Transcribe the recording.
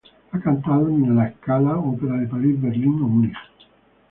Ha cantado en la Scala, Ópera de París, Berlín o Múnich.